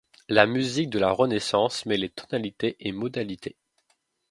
La musique de la Renaissance mêlait tonalité et modalité.